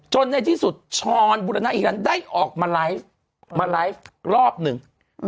จนในที่สุดชอนบุรณาอีฮิลันต์ได้ออกมาไลฟ์รอบหนึ่ง